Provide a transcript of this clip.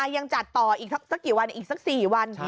อ่ะยังจัดต่ออีกสักสักสี่วัน